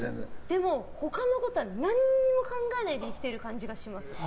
でも他のことは何も考えないで生きている感じがします。